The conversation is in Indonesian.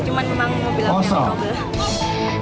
cuman memang mobil aku yang roble